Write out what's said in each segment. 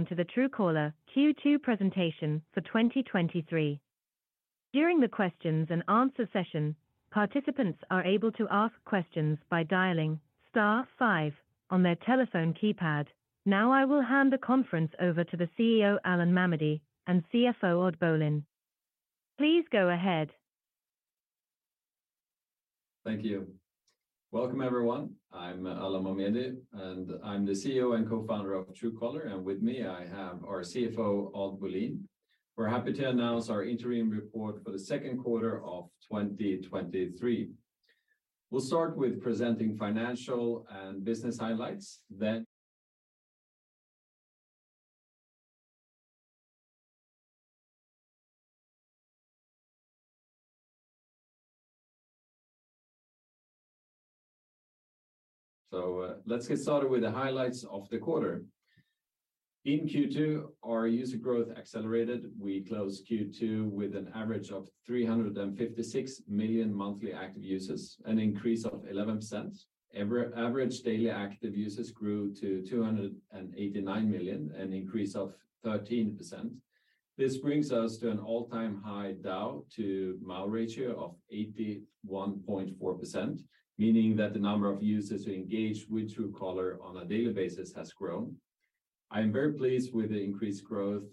Welcome to the Truecaller Q2 presentation for 2023. During the questions-and-answer session, participants are able to ask questions by dialing star five on their telephone keypad. Now, I will hand the conference over to the CEO, Alan Mamedi, and CFO, Odd Bolin. Please go ahead. Thank you. Welcome, everyone. I'm Alan Mamedi, and I'm the CEO and co-founder of Truecaller, and with me, I have our CFO, Odd Bolin. We're happy to announce our interim report for the second quarter of 2023. We'll start with presenting financial and business highlights. Let's get started with the highlights of the quarter. In Q2, our user growth accelerated. We closed Q2 with an average of 356 million monthly active users, an increase of 11%. Average daily active users grew to 289 million, an increase of 13%. This brings us to an all-time high DAU to MAU ratio of 81.4%, meaning that the number of users who engage with Truecaller on a daily basis has grown. I am very pleased with the increased growth,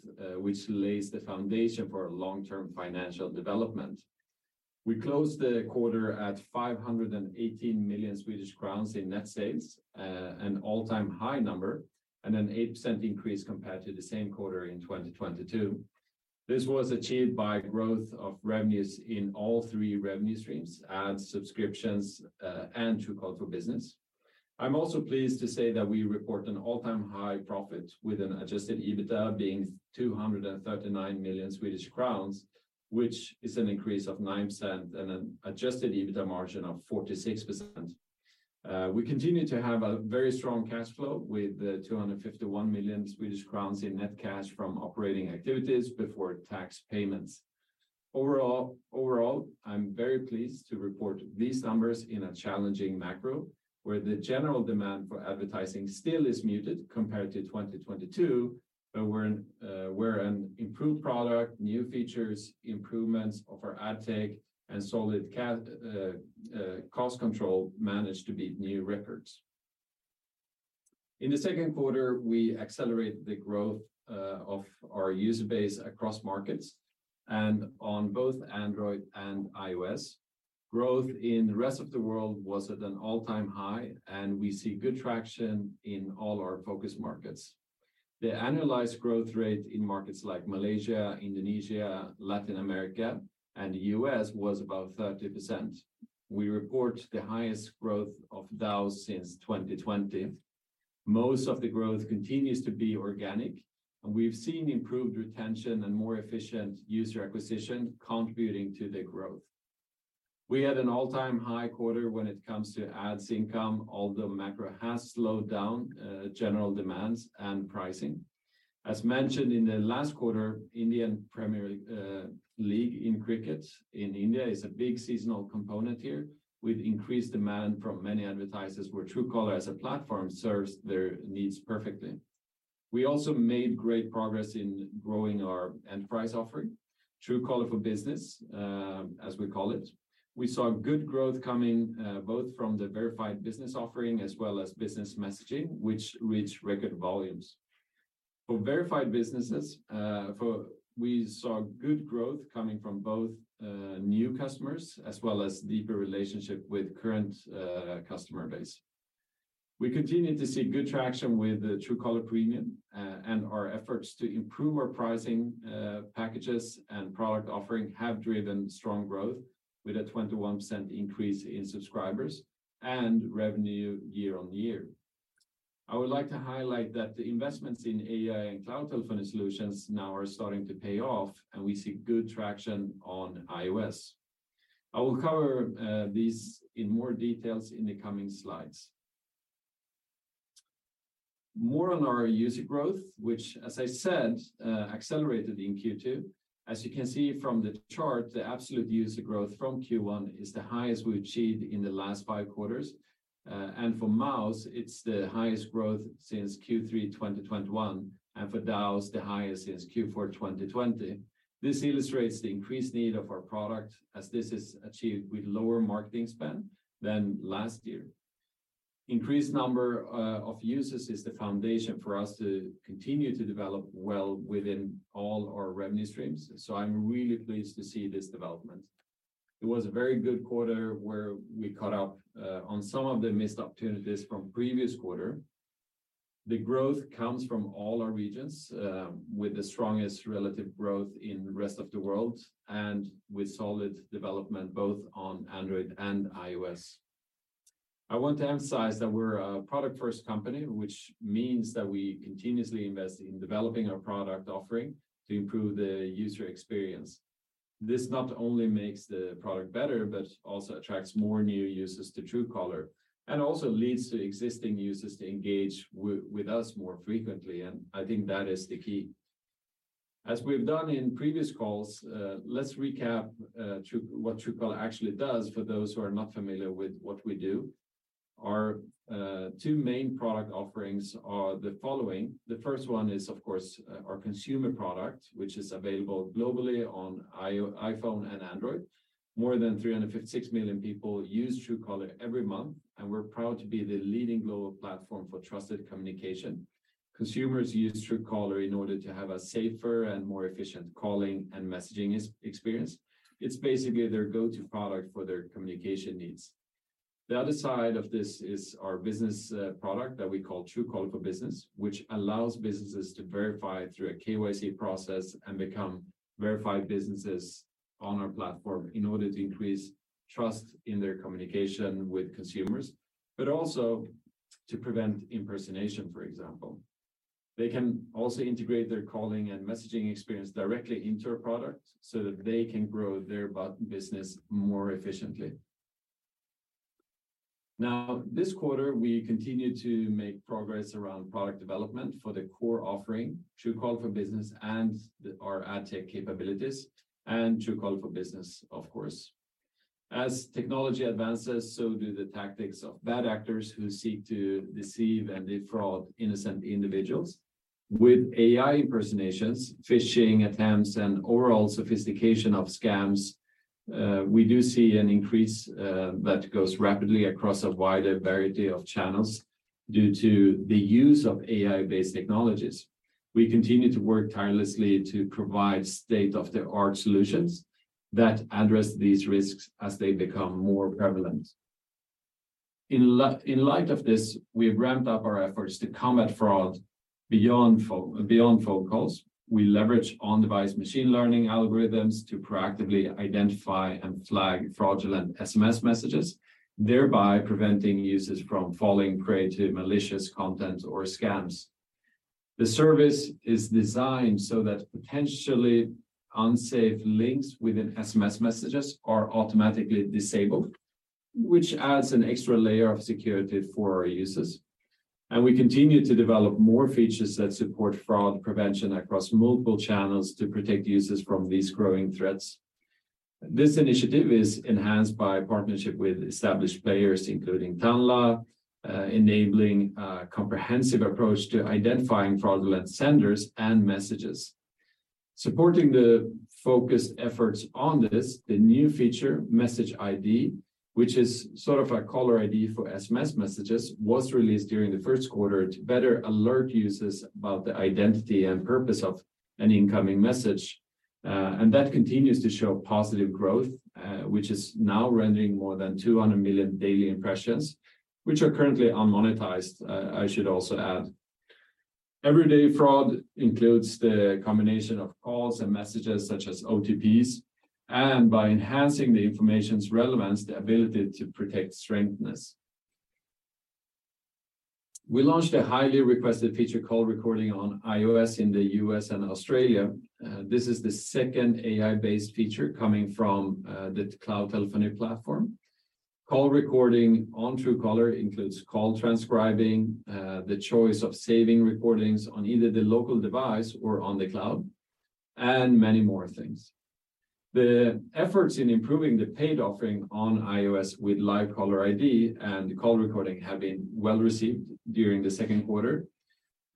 which lays the foundation for long-term financial development. We closed the quarter at 518 million Swedish crowns in net sales, an all-time high number and an 8% increase compared to the same quarter in 2022. This was achieved by growth of revenues in all three revenue streams: ads, subscriptions, and Truecaller business. I'm also pleased to say that we report an all-time high profit, with an adjusted EBITDA being 239 million Swedish crowns, which is an increase of 9% and an adjusted EBITDA margin of 46%. We continue to have a very strong cash flow, with 251 million Swedish crowns in net cash from operating activities before tax payments. Overall, I'm very pleased to report these numbers in a challenging macro, where the general demand for advertising still is muted compared to 2022, but we're an improved product, new features, improvements of our AdTech and solid cost control managed to beat new records. In the second quarter, we accelerated the growth of our user base across markets and on both Android and iOS. Growth in the rest of the world was at an all-time high, and we see good traction in all our focus markets. The annualized growth rate in markets like Malaysia, Indonesia, Latin America, and the U.S. was about 30%. We report the highest growth of DAUs since 2020. Most of the growth continues to be organic, and we've seen improved retention and more efficient user acquisition contributing to the growth. We had an all-time high quarter when it comes to Ads income, although macro has slowed down general demands and pricing. As mentioned in the last quarter, Indian Premier League in cricket in India is a big seasonal component here, with increased demand from many advertisers, where Truecaller as a platform serves their needs perfectly. We also made great progress in growing our enterprise offering, Truecaller for Business, as we call it. We saw good growth coming both from the verified business offering as well as business messaging, which reached record volumes. For verified businesses, we saw good growth coming from both new customers, as well as deeper relationship with current customer base. We continue to see good traction with the Truecaller Premium, and our efforts to improve our pricing packages and product offering have driven strong growth, with a 21% increase in subscribers and revenue year-on-year. I would like to highlight that the investments in AI and cloud telephony solutions now are starting to pay off, and we see good traction on iOS. I will cover these in more detail in the coming slides. More on our user growth, which, as I said, accelerated in Q2. As you can see from the chart, the absolute user growth from Q1 is the highest we've achieved in the last five quarters. For MAUs, it's the highest growth since Q3 2021, and for DAUs, the highest since Q4 2020. This illustrates the increased need of our product, as this is achieved with lower marketing spend than last year. Increased number of users is the foundation for us to continue to develop well within all our revenue streams, so I'm really pleased to see this development. It was a very good quarter, where we caught up on some of the missed opportunities from previous quarter. The growth comes from all our regions, with the strongest relative growth in the rest of the world and with solid development both on Android and iOS. I want to emphasize that we're a product-first company, which means that we continuously invest in developing our product offering to improve the user experience. This not only makes the product better but also attracts more new users to Truecaller and also leads to existing users to engage with us more frequently, and I think that is the key. As we've done in previous calls, let's recap what Truecaller actually does for those who are not familiar with what we do. Our two main product offerings are the following: the first one is, of course, our consumer product, which is available globally on iPhone and Android. More than 356 million people use Truecaller every month, and we're proud to be the leading global platform for trusted communication. Consumers use Truecaller in order to have a safer and more efficient calling and messaging experience. It's basically their go-to product for their communication needs. The other side of this is our business product that we call Truecaller for Business, which allows businesses to verify through a KYC process and become verified businesses on our platform in order to increase trust in their communication with consumers, but also to prevent impersonation, for example. They can also integrate their calling and messaging experience directly into our product so that they can grow their business more efficiently. This quarter, we continued to make progress around product development for the core offering, Truecaller for Business, and the, our AdTech capabilities, and Truecaller for Business, of course. As technology advances, so do the tactics of bad actors who seek to deceive and defraud innocent individuals. With AI impersonations, phishing attempts, and overall sophistication of scams, we do see an increase that goes rapidly across a wider variety of channels due to the use of AI-based technologies. We continue to work tirelessly to provide state-of-the-art solutions that address these risks as they become more prevalent. In light of this, we've ramped up our efforts to combat fraud beyond phone calls. We leverage on-device machine learning algorithms to proactively identify and flag fraudulent SMS messages, thereby preventing users from falling prey to malicious content or scams. The service is designed so that potentially unsafe links within SMS messages are automatically disabled, which adds an extra layer of security for our users. We continue to develop more features that support fraud prevention across multiple channels to protect users from these growing threats. This initiative is enhanced by partnership with established players, including Tanla, enabling a comprehensive approach to identifying fraudulent senders and messages. Supporting the focused efforts on this, the new feature, Message ID, which is sort of a caller ID for SMS messages, was released during the first quarter to better alert users about the identity and purpose of an incoming message. That continues to show positive growth, which is now rendering more than 200 million daily impressions, which are currently unmonetized, I should also add. Every day fraud includes the combination of calls and messages such as OTPs, and by enhancing the information's relevance, the ability to protect strengthens. We launched a highly requested feature, call recording, on iOS in the U.S. and Australia. This is the second AI-based feature coming from the cloud telephony platform. Call recording on Truecaller includes call transcribing, the choice of saving recordings on either the local device or on the cloud, and many more things. The efforts in improving the paid offering on iOS with live caller ID and call recording have been well received during the second quarter.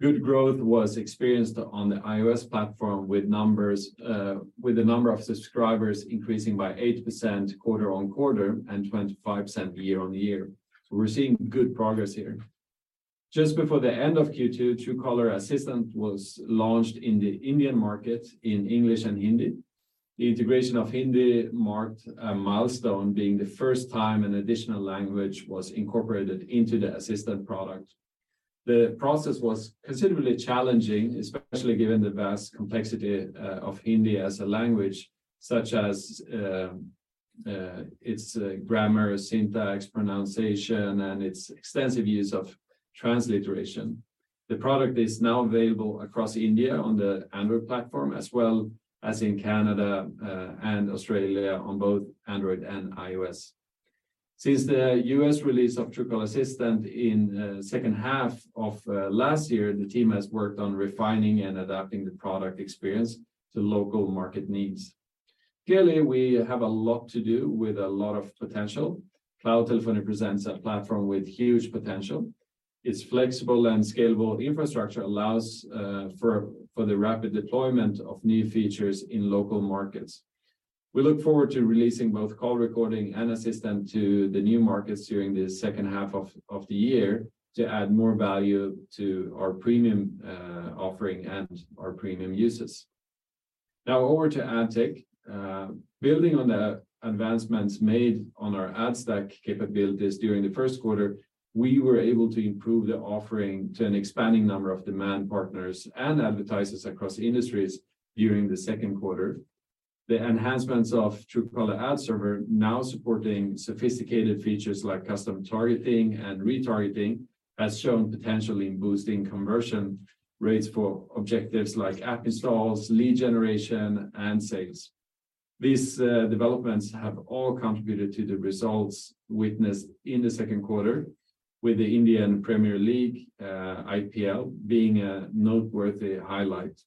Good growth was experienced on the iOS platform, with the number of subscribers increasing by 8% quarter-on-quarter and 25% year-on-year. We're seeing good progress here. Just before the end of Q2, Truecaller Assistant was launched in the Indian market in English and Hindi. The integration of Hindi marked a milestone, being the first time an additional language was incorporated into the Assistant product. The process was considerably challenging, especially given the vast complexity of Hindi as a language, such as its grammar, syntax, pronunciation, and its extensive use of transliteration. The product is now available across India on the Android platform, as well as in Canada and Australia on both Android and iOS. Since the U.S. release of Truecaller Assistant in second half of last year, the team has worked on refining and adapting the product experience to local market needs. Clearly, we have a lot to do with a lot of potential. Cloud telephony presents a platform with huge potential. Its flexible and scalable infrastructure allows for the rapid deployment of new features in local markets. We look forward to releasing both call recording and Truecaller Assistant to the new markets during the second half of the year to add more value to our premium offering and our premium users. Over to AdTech. Building on the advancements made on our ad stack capabilities during the first quarter, we were able to improve the offering to an expanding number of demand partners and advertisers across industries during the second quarter. The enhancements of Truecaller Ad server are now supporting sophisticated features like custom targeting and retargeting, has shown potentially boosting conversion rates for objectives like app installs, lead generation, and sales. These developments have all contributed to the results witnessed in the second quarter with the Indian Premier League, IPL, being a noteworthy highlight.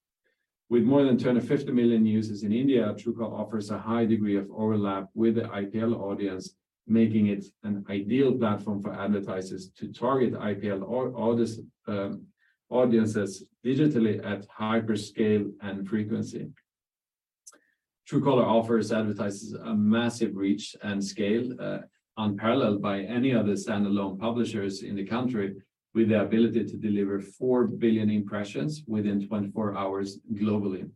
With more than 250 million users in India, Truecaller offers a high degree of overlap with the IPL audience, making it an ideal platform for advertisers to target IPL audiences digitally at hyper scale and frequency. Truecaller offers advertisers a massive reach and scale, unparalleled by any other standalone publishers in the country, with the ability to deliver 4 billion impressions within 24 hours globally.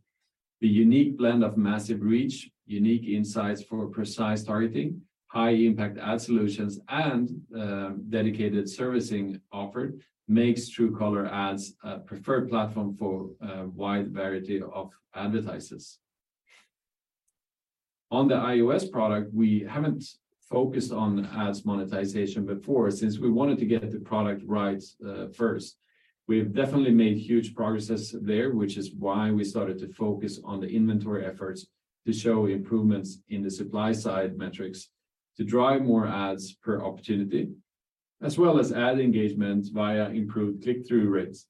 The unique blend of massive reach, unique insights for precise targeting, high-impact ad solutions, and dedicated servicing offered makes Truecaller Ads a preferred platform for a wide variety of advertisers. On the iOS product, we haven't focused on ads monetization before, since we wanted to get the product right first. We've definitely made huge progress there, which is why we started to focus on the inventory efforts to show improvements in the supply side metrics to drive more ads per opportunity, as well as ad engagement via improved click-through rates.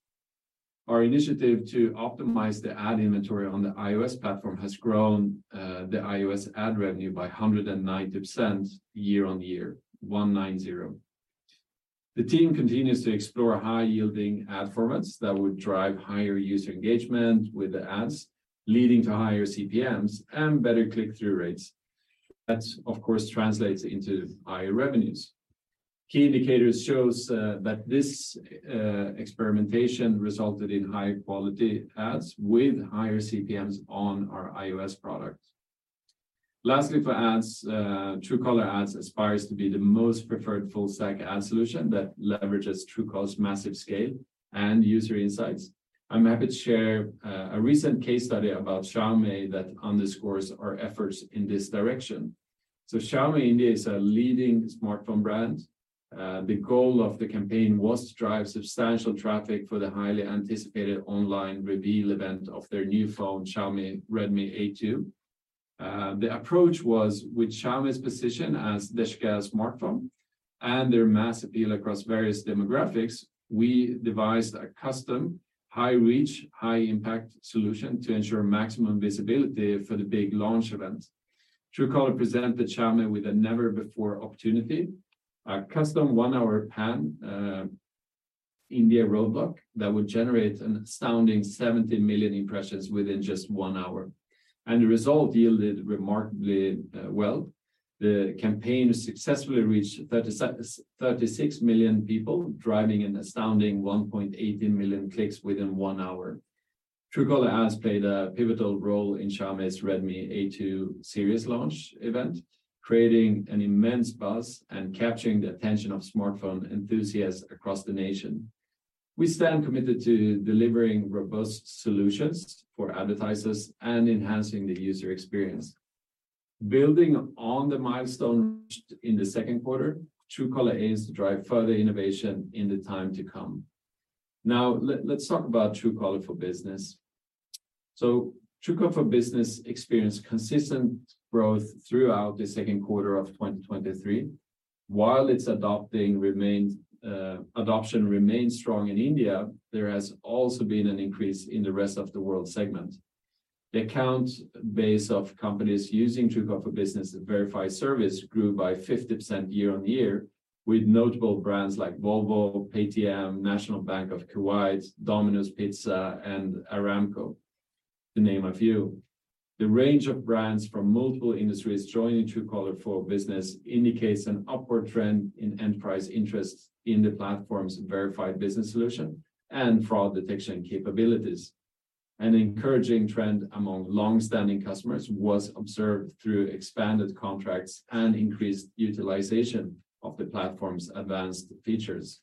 Our initiative to optimize the ad inventory on the iOS platform has grown the iOS ad revenue by 190% year-on-year, 190%. The team continues to explore high-yielding ad formats that would drive higher user engagement with the ads, leading to higher CPMs and better click-through rates. That, of course, translates into higher revenues. Key indicators show that this experimentation resulted in high-quality ads with higher CPMs on our iOS product. Lastly, for ads, Truecaller Ads aspires to be the most preferred full-stack ad solution that leverages Truecaller's massive scale and user insights. I'm happy to share a recent case study about Xiaomi that underscores our efforts in this direction. Xiaomi India is a leading smartphone brand. The goal of the campaign was to drive substantial traffic for the highly anticipated online reveal event of their new phone, Xiaomi Redmi A2. The approach was, with Xiaomi's position as Desh Ka Smartphone and their mass appeal across various demographics, we devised a custom, high-reach, high-impact solution to ensure maximum visibility for the big launch event. Truecaller presented the Xiaomi with a never-before opportunity, a custom one-hour pan-India roadblock that would generate an astounding 70 million impressions within just one hour. The result yielded remarkably well. The campaign successfully reached 36 million people, driving an astounding 1.18 million clicks within one hour. Truecaller Ads played a pivotal role in Xiaomi's Redmi A2 series launch event, creating an immense buzz and capturing the attention of smartphone enthusiasts across the nation. We stand committed to delivering robust solutions for advertisers and enhancing the user experience. Building on the milestone in the second quarter, Truecaller aims to drive further innovation in the time to come. Let's talk about Truecaller for Business. Truecaller for Business experienced consistent growth throughout the second quarter of 2023. While its adoption remains strong in India, there has also been an increase in the rest of the world segment. The account base of companies using Truecaller for Business' verified service grew by 50% year-on-year, with notable brands like Volvo, Paytm, National Bank of Kuwait, Domino's Pizza, and Aramco, to name a few. The range of brands from multiple industries joining Truecaller for Business indicates an upward trend in enterprise interest in the platform's verified business solution and fraud detection capabilities. An encouraging trend among long-standing customers was observed through expanded contracts and increased utilization of the platform's advanced features.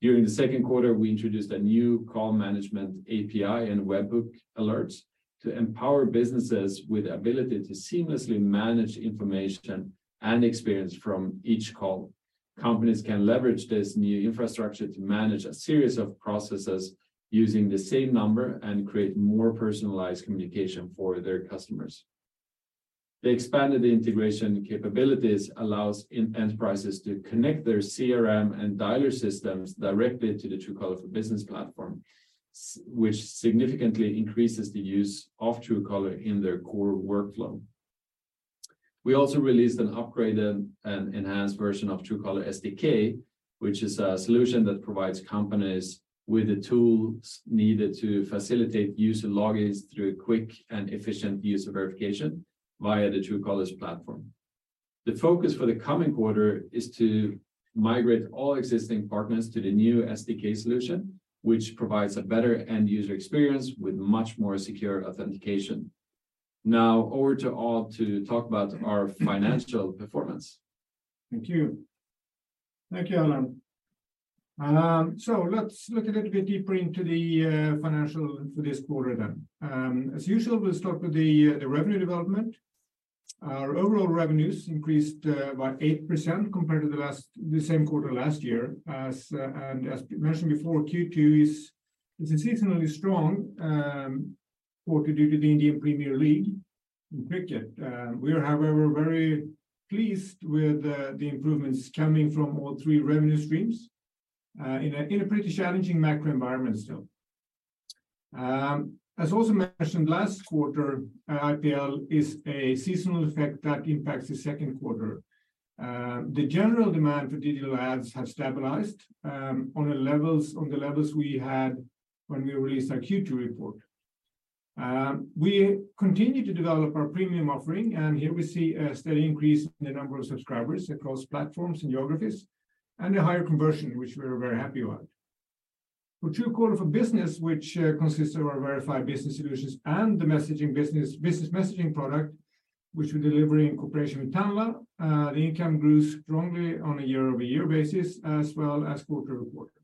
During the second quarter, we introduced a new call management API and webhook alerts to empower businesses with the ability to seamlessly manage information and experience from each call. Companies can leverage this new infrastructure to manage a series of processes using the same number and create more personalized communication for their customers. The expanded integration capabilities allows enterprises to connect their CRM and dialer systems directly to the Truecaller for Business platform, which significantly increases the use of Truecaller in their core workflow. We also released an upgraded and enhanced version of Truecaller SDK, which is a solution that provides companies with the tools needed to facilitate user logins through quick and efficient user verification via the Truecaller's platform. The focus for the coming quarter is to migrate all existing partners to the new SDK solution, which provides a better end-user experience with much more secure authentication. Over to Odd to talk about our financial performance. Thank you. Thank you, Alan. Let's look a little bit deeper into the financial for this quarter then. As usual, we'll start with the revenue development. Our overall revenues increased by 8% compared to the same quarter last year. And as mentioned before, Q2 is, It's a seasonally strong quarter due to the Indian Premier League in cricket. We are, however, very pleased with the improvements coming from all three revenue streams, in a pretty challenging macro environment still. As also mentioned last quarter, IPL is a seasonal effect that impacts the second quarter. The general demand for digital ads has stabilized on the levels we had when we released our Q2 report. We continue to develop our premium offering, and here we see a steady increase in the number of subscribers across platforms and geographies, and a higher conversion, which we are very happy about. For Truecaller for Business, which consists of our verified business solutions and the messaging business messaging product, which we deliver in cooperation with Tanla, the income grew strongly on a year-over-year basis, as well as quarter-over-quarter.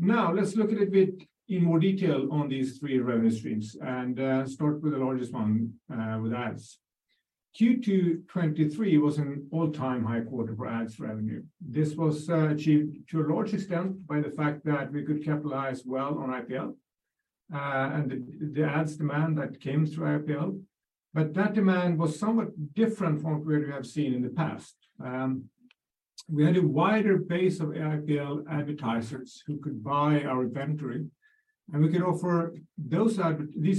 Let's look at it bit in more detail on these three revenue streams and start with the largest one, with ads. Q2 2023 was an all-time high quarter for ads revenue. This was achieved to a large extent by the fact that we could capitalize well on IPL, and the ads demand that came through IPL. That demand was somewhat different from what we have seen in the past. We had a wider base of IPL advertisers who could buy our inventory, and we could offer these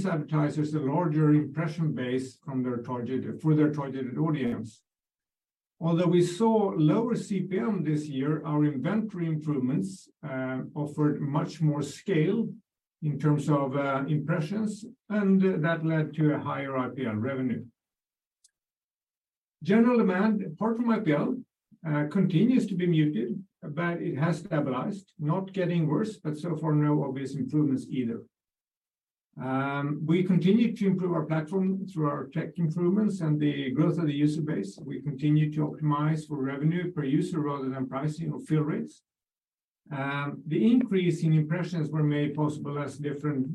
advertisers a larger impression base from their targeted, for their targeted audience. We saw lower CPM this year, our inventory improvements offered much more scale in terms of impressions, and that led to a higher IPL revenue. General demand, apart from IPL, continues to be muted, but it has stabilized, not getting worse, but so far, no obvious improvements either. We continue to improve our platform through our tech improvements and the growth of the user base. We continue to optimize for revenue per user rather than pricing or fill rates. The increase in impressions were made possible as different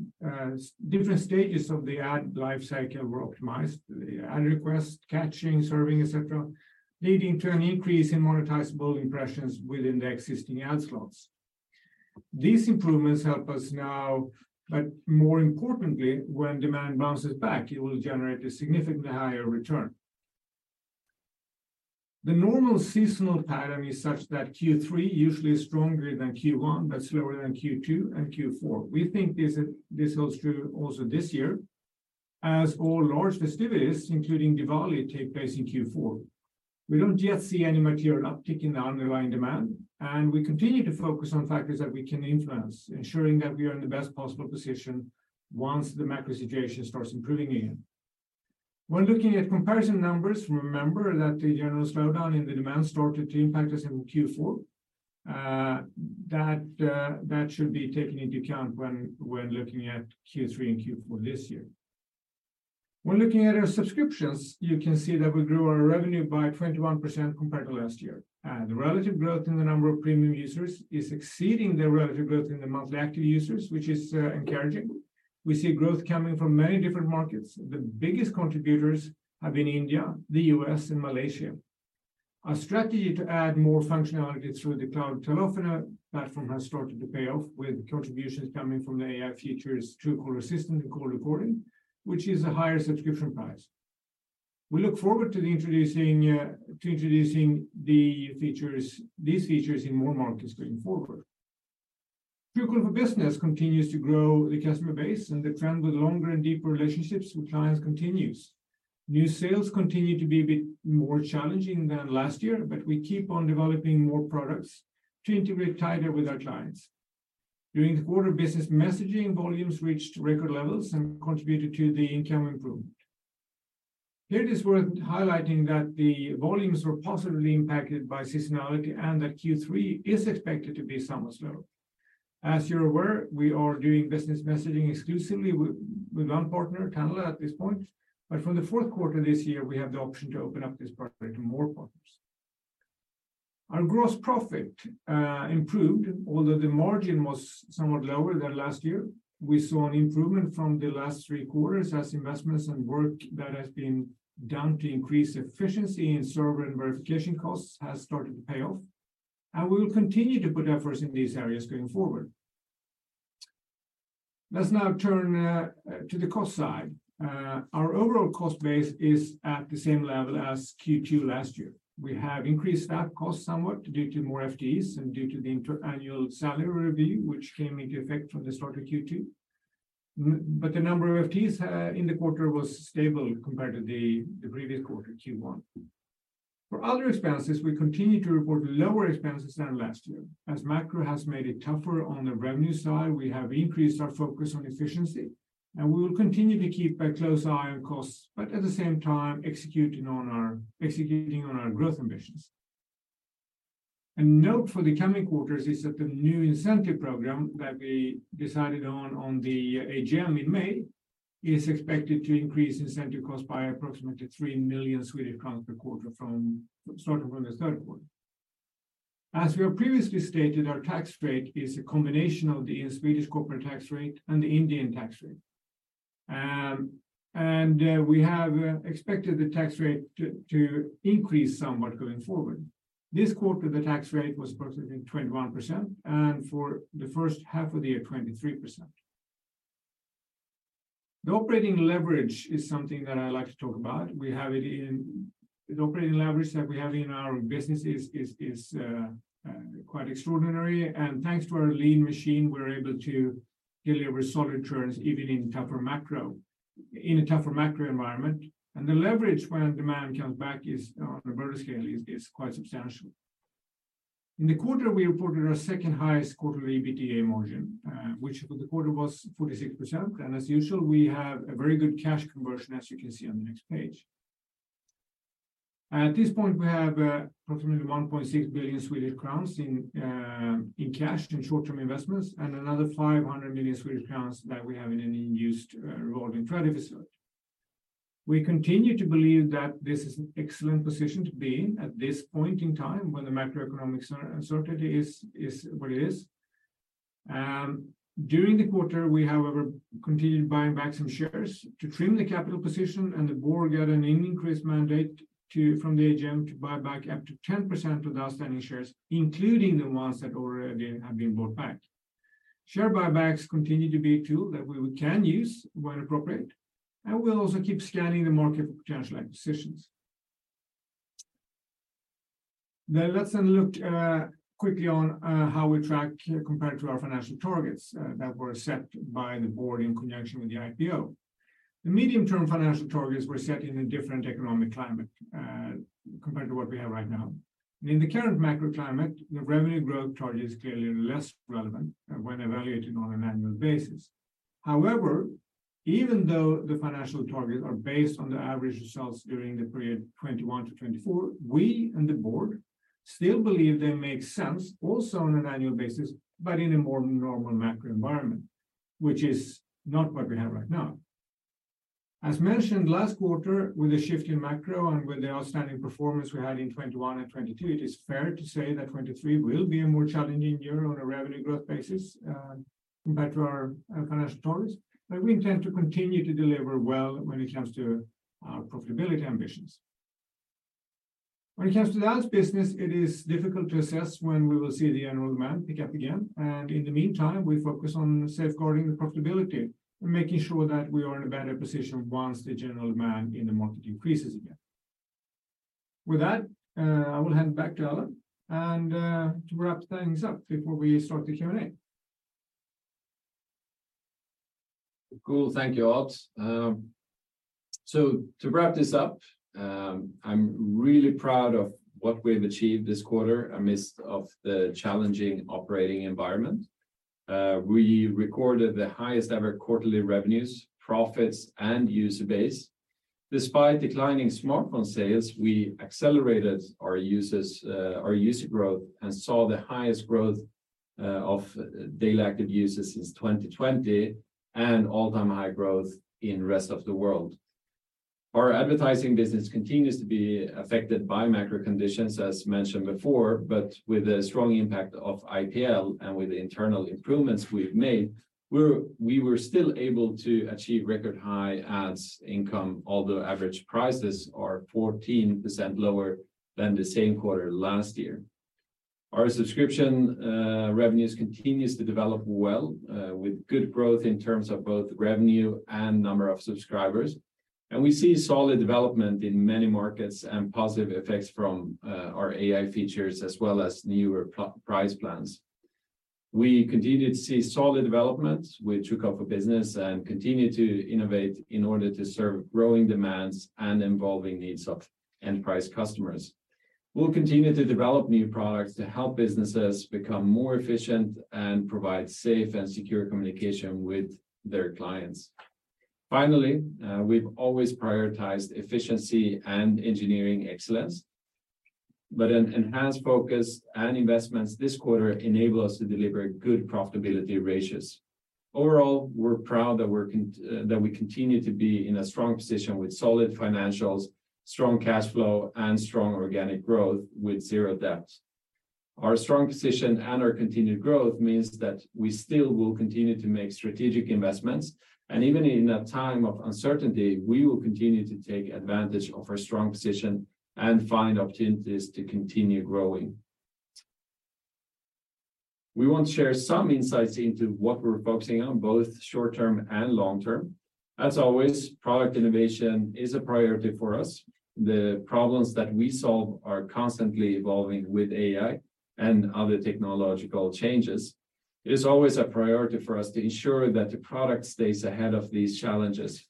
stages of the ad lifecycle were optimized, the ad request, caching, serving, et cetera, leading to an increase in monetizable impressions within the existing ad slots. These improvements help us now, but more importantly, when demand bounces back, it will generate a significantly higher return. The normal seasonal pattern is such that Q3 usually is stronger than Q1, but slower than Q2 and Q4. We think this holds true also this year, as all large festivities, including Diwali, take place in Q4. We don't yet see any material uptick in the underlying demand, and we continue to focus on factors that we can influence, ensuring that we are in the best possible position once the macro situation starts improving again. When looking at comparison numbers, remember that the general slowdown in the demand started to impact us in Q4. That should be taken into account when looking at Q3 and Q4 this year. When looking at our subscriptions, you can see that we grew our revenue by 21% compared to last year. The relative growth in the number of premium users is exceeding the relative growth in the monthly active users, which is encouraging. We see growth coming from many different markets. The biggest contributors have been India, the U.S., and Malaysia. Our strategy to add more functionality through the cloud telephony platform has started to pay off, with contributions coming from the AI features, Truecaller Assistant and call recording, which is a higher subscription price. We look forward to introducing these features in more markets going forward. Truecaller for Business continues to grow the customer base, and the trend with longer and deeper relationships with clients continues. New sales continue to be a bit more challenging than last year, but we keep on developing more products to integrate tighter with our clients. During the quarter, business messaging volumes reached record levels and contributed to the income improvement. Here, it is worth highlighting that the volumes were positively impacted by seasonality and that Q3 is expected to be somewhat slower. As you're aware, we are doing business messaging exclusively with one partner, Tanla, at this point, but from the fourth quarter this year, we have the option to open up this partner to more partners. Our gross profit improved, although the margin was somewhat lower than last year. We saw an improvement from the last three quarters as investments and work that has been done to increase efficiency in server and verification costs has started to pay off, and we will continue to put efforts in these areas going forward. Let's now turn to the cost side. Our overall cost base is at the same level as Q2 last year. We have increased our costs somewhat due to more FTEs and due to the inter-annual salary review, which came into effect from the start of Q2. The number of FTEs in the quarter was stable compared to the previous quarter, Q1. For other expenses, we continue to report lower expenses than last year. As macro has made it tougher on the revenue side, we have increased our focus on efficiency, we will continue to keep a close eye on costs, but at the same time, executing on our growth ambitions. A note for the coming quarters is that the new incentive program that we decided on the AGM in May, is expected to increase incentive costs by approximately 3 million Swedish crowns per quarter starting from the third quarter. As we have previously stated, our tax rate is a combination of the Swedish corporate tax rate and the Indian tax rate. We have expected the tax rate to increase somewhat going forward. This quarter, the tax rate was approximately 21%, and for the first half of the year, 23%. The operating leverage is something that I like to talk about. We have the operating leverage that we have in our business is quite extraordinary, and thanks to our lean machine, we're able to deliver solid returns, even in a tougher macro environment. The leverage when demand comes back is, on a better scale, is quite substantial. In the quarter, we reported our second highest quarterly EBITDA margin, which for the quarter was 46%. As usual, we have a very good cash conversion, as you can see on the next page. At this point, we have approximately 1.6 billion Swedish crowns in cash and short-term investments, and another 500 million Swedish crowns that we have in an unused revolving credit facility. We continue to believe that this is an excellent position to be in at this point in time, when the macroeconomic uncertainty is what it is. During the quarter, we, however, continued buying back some shares to trim the capital position. The board got an increased mandate to, from the AGM, to buy back up to 10% of the outstanding shares, including the ones that already have been bought back. Share buybacks continue to be a tool that we can use when appropriate. We'll also keep scanning the market for potential acquisitions. Let's then look quickly on how we track compared to our financial targets that were set by the board in conjunction with the IPO. The medium-term financial targets were set in a different economic climate compared to what we have right now. In the current macro climate, the revenue growth target is clearly less relevant when evaluated on an annual basis. Even though the financial targets are based on the average results during the period 2021 to 2024, we and the board still believe they make sense also on an annual basis, but in a more normal macro environment, which is not what we have right now. As mentioned last quarter, with the shift in macro and with the outstanding performance we had in 2021 and 2022, it is fair to say that 2023 will be a more challenging year on a revenue growth basis, compared to our financial targets. We intend to continue to deliver well when it comes to our profitability ambitions. When it comes to the ads business, it is difficult to assess when we will see the annual demand pick up again, and in the meantime, we focus on safeguarding the profitability and making sure that we are in a better position once the general demand in the market increases again. With that, I will hand back to Alan, and to wrap things up before we start the Q&A. Cool. Thank you, Odd. To wrap this up, I'm really proud of what we've achieved this quarter amidst of the challenging operating environment. We recorded the highest ever quarterly revenues, profits, and user base. Despite declining smartphone sales, we accelerated our user growth, and saw the highest growth of daily active users since 2020, and all-time high growth in rest of the world. Our advertising business continues to be affected by macro conditions, as mentioned before, but with the strong impact of IPL and with the internal improvements we've made, we were still able to achieve record high ads income, although average prices are 14% lower than the same quarter last year. Our subscription revenues continues to develop well, with good growth in terms of both revenue and number of subscribers. We see solid development in many markets and positive effects from our AI features, as well as newer price plans. We continued to see solid development with Truecaller for Business and continue to innovate in order to serve growing demands and evolving needs of enterprise customers. We'll continue to develop new products to help businesses become more efficient and provide safe and secure communication with their clients. Finally, we've always prioritized efficiency and engineering excellence, but an enhanced focus and investments this quarter enable us to deliver good profitability ratios. Overall, we're proud that we continue to be in a strong position with solid financials, strong cash flow, and strong organic growth with zero debt. Our strong position and our continued growth means that we still will continue to make strategic investments, and even in a time of uncertainty, we will continue to take advantage of our strong position and find opportunities to continue growing. We want to share some insights into what we're focusing on, both short term and long term. As always, product innovation is a priority for us. The problems that we solve are constantly evolving with AI and other technological changes. It is always a priority for us to ensure that the product stays ahead of these challenges.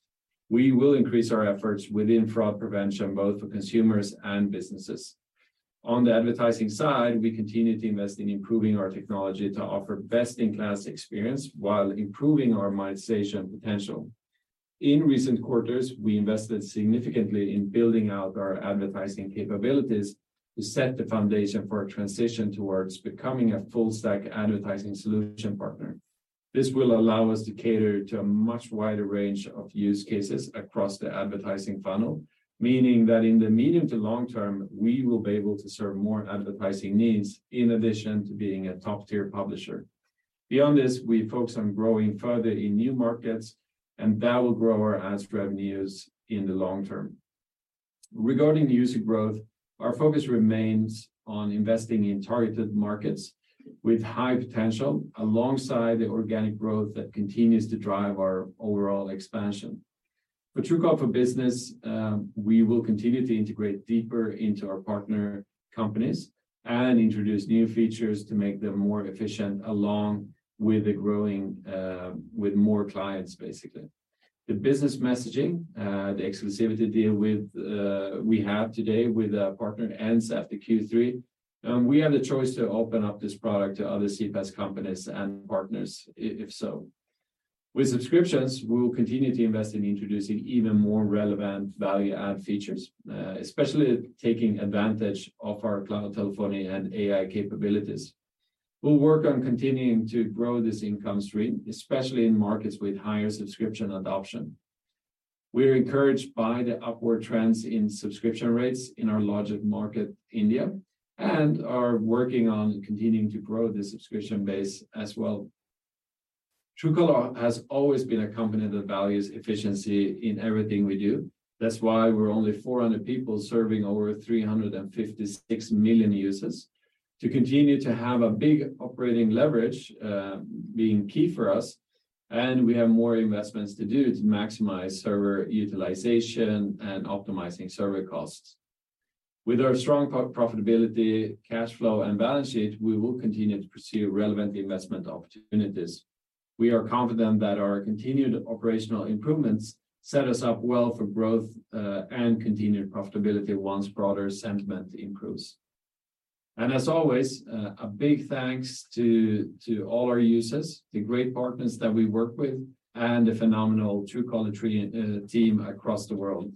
We will increase our efforts within fraud prevention, both for consumers and businesses. On the advertising side, we continue to invest in improving our technology to offer best-in-class experience while improving our monetization potential. In recent quarters, we invested significantly in building out our advertising capabilities to set the foundation for a transition towards becoming a full-stack advertising solution partner. This will allow us to cater to a much wider range of use cases across the advertising funnel, meaning that in the medium to long term, we will be able to serve more advertising needs in addition to being a top-tier publisher. Beyond this, we focus on growing further in new markets. That will grow our ads revenues in the long term. Regarding the user growth, our focus remains on investing in targeted markets with high potential, alongside the organic growth that continues to drive our overall expansion. For Truecaller for Business, we will continue to integrate deeper into our partner companies and introduce new features to make them more efficient, along with the growing with more clients, basically. The business messaging, the exclusivity deal with, we have today with our partner ends after Q3. We have the choice to open up this product to other CPaaS companies and partners if so. With subscriptions, we will continue to invest in introducing even more relevant value-add features, especially taking advantage of our cloud telephony and AI capabilities. We'll work on continuing to grow this income stream, especially in markets with higher subscription adoption. We're encouraged by the upward trends in subscription rates in our largest market, India, and are working on continuing to grow the subscription base as well. Truecaller has always been a company that values efficiency in everything we do. That's why we're only 400 people serving over 356 million users. To continue to have a big operating leverage, being key for us, and we have more investments to do to maximize server utilization and optimizing server costs. With our strong profitability, cash flow, and balance sheet, we will continue to pursue relevant investment opportunities. We are confident that our continued operational improvements set us up well for growth and continued profitability once broader sentiment improves. As always, a big thanks to all our users, the great partners that we work with, and the phenomenal Truecaller team across the world.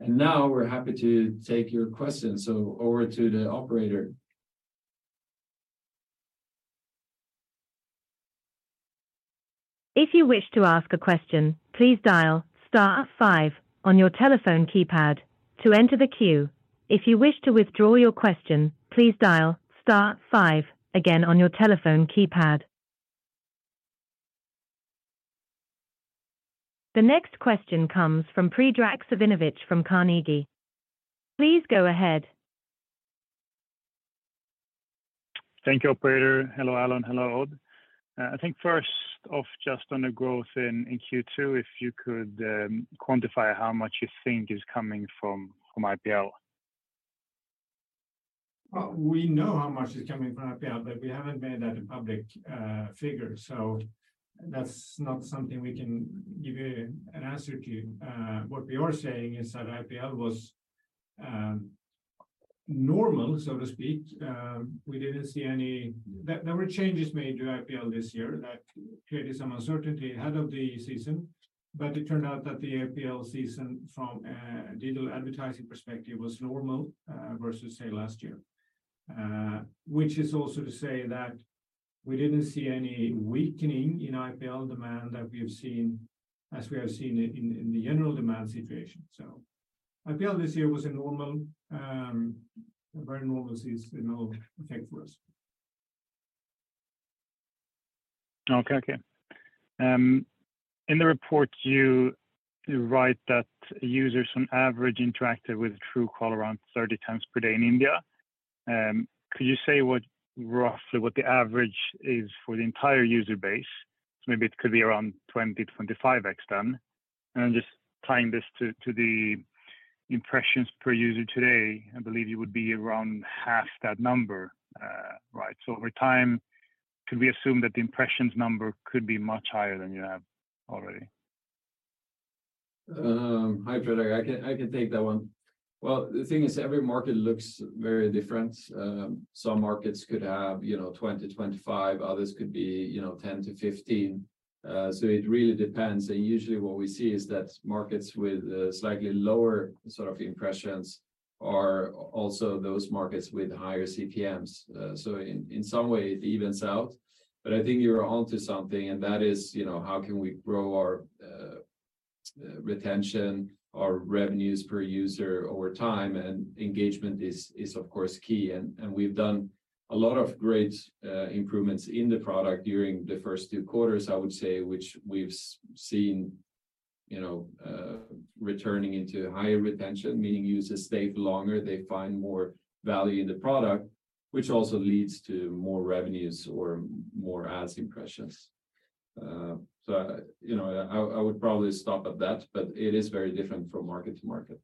Now we're happy to take your questions. Over to the operator. If you wish to ask a question, please dial star five on your telephone keypad to enter the queue. If you wish to withdraw your question, please dial star five again on your telephone keypad. The next question comes from Predrag Savinovic from Carnegie. Please go ahead. Thank you, operator. Hello, Alan. Hello, Odd. I think first off, just on the growth in Q2, if you could quantify how much you think is coming from IPL? Well, we know how much is coming from IPL. We haven't made that a public figure. That's not something we can give you an answer to. What we are saying is that IPL was normal, so to speak. We didn't see any. There were changes made to IPL this year that created some uncertainty ahead of the season. It turned out that the IPL season from a digital advertising perspective, was normal versus, say, last year. Which is also to say that we didn't see any weakening in IPL demand as we have seen in the general demand situation. IPL this year was a normal, a very normal season all things for us. Okay. Okay. In the report, you write that users on average interacted with Truecaller around 30 times per day in India. Could you say roughly what the average is for the entire user base? Maybe it could be around 20-25x then. I'm just tying this to the impressions per user today, I believe it would be around half that number, right? Over time, could we assume that the impressions number could be much higher than you have already? Hi, Predrag. I can take that one. Well, the thing is, every market looks very different. Some markets could have, you know, 20, 25, others could be, you know, 10-15. So it really depends. Usually, what we see is that markets with slightly lower sort of impressions are also those markets with higher CPMs. So in some way, it evens out. I think you're onto something, and that is, you know, how can we grow our retention, our revenues per user over time, and engagement is, of course, key. We've done a lot of great improvements in the product during the first two quarters, I would say, which we've seen, you know, returning into higher retention, meaning users stay longer, they find more value in the product, which also leads to more revenues or more ads impressions. You know, I would probably stop at that, but it is very different from market to market.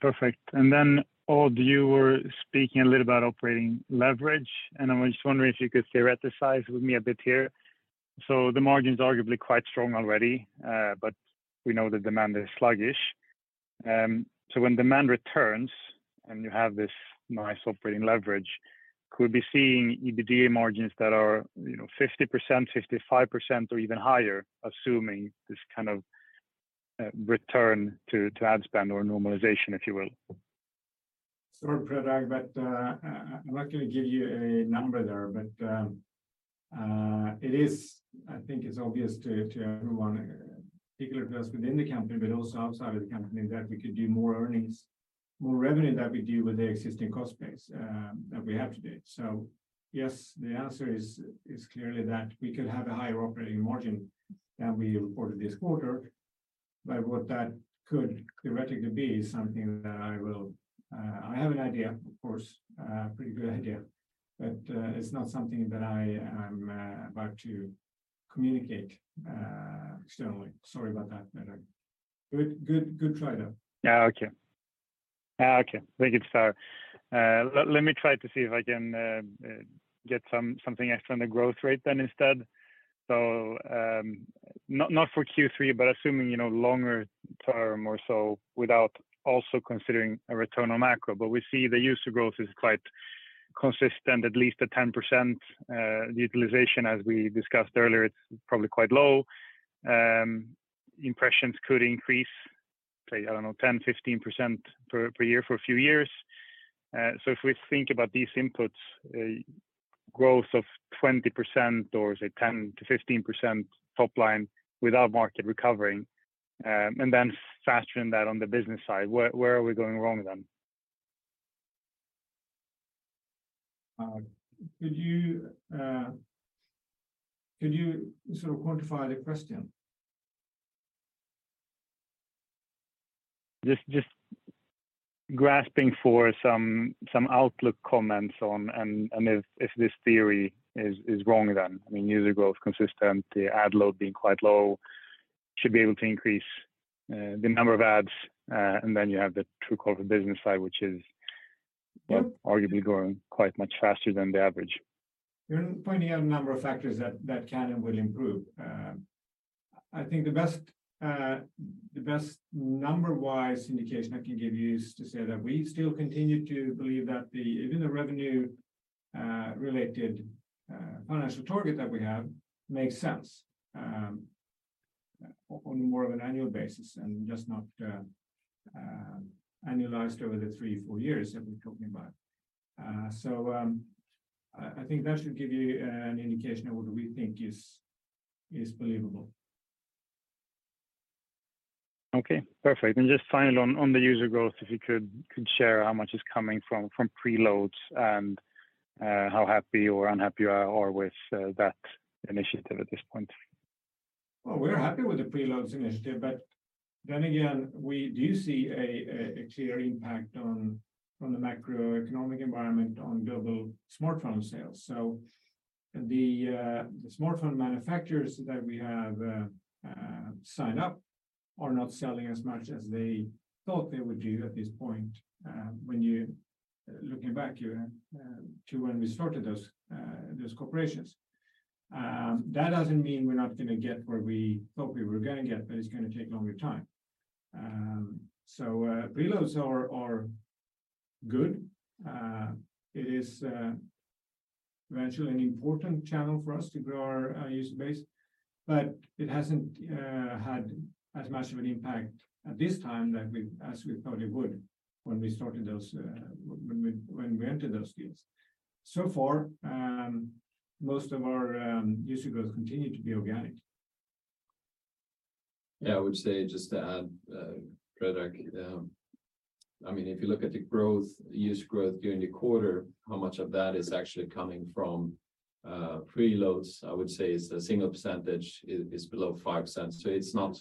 Perfect. Odd, you were speaking a little about operating leverage, and I was just wondering if you could theoretize with me a bit here. The margin's arguably quite strong already, but we know the demand is sluggish. When demand returns and you have this nice operating leverage, could we be seeing EBITDA margins that are, you know, 50%, 55%, or even higher, assuming this kind of return to ad spend or normalization, if you will? Sorry, Predrag, but I'm not gonna give you a number there, but it is. I think it's obvious to everyone, particularly to us within the company, but also outside of the company, that we could do more revenue that we do with the existing cost base that we have today. Yes, the answer is clearly that we could have a higher operating margin than we reported this quarter. What that could theoretically be is something that I will, I have an idea, of course, pretty good idea, but it's not something that I am about to communicate externally. Sorry about that, Predrag. Good try, though. Yeah, okay. Okay, thank you, sir. Let me try to see if I can get something extra on the growth rate instead. Not for Q3, but assuming, you know, longer term or so, without also considering a return on macro. We see the user growth is quite consistent, at least a 10%. The utilization, as we discussed earlier, it's probably quite low. Impressions could increase, say, I don't know, 10-15% per year for a few years. If we think about these inputs, growth of 20% or say, 10%-15% top line without market recovering, and then factoring that on the business side, where are we going wrong then? Could you sort of quantify the question? Just grasping for some outlook comments on. If this theory is wrong, then, I mean, user growth consistent, the ad load being quite low, should be able to increase the number of ads. Then you have the Truecaller for Business side, which is, well, arguably growing quite much faster than the average. You're pointing out a number of factors that can and will improve. I think the best number-wise indication I can give you is to say that we still continue to believe that the revenue related financial target that we have makes sense on more of an annual basis, and just not annualized over the 3-4 years that we're talking about. I think that should give you an indication of what we think is believable. Okay, perfect. Just finally, on the user growth, if you could share how much is coming from preloads and how happy or unhappy you are with that initiative at this point? We're happy with the preloads initiative, but then again, we do see a clear impact on, from the macroeconomic environment on global smartphone sales. The smartphone manufacturers that we have signed up are not selling as much as they thought they would do at this point. Looking back to when we started those corporations. That doesn't mean we're not going to get where we thought we were going to get, but it's going to take longer time. Preloads are good. It is eventually an important channel for us to grow our user base, but it hasn't had as much of an impact at this time that we, as we thought it would when we started those when we entered those deals. Far, most of our user growth continued to be organic. I would say, just to add, Fredrik, I mean, if you look at the growth, user growth during the quarter, how much of that is actually coming from preloads? I would say it's a single percentage, is below $0.05. It's not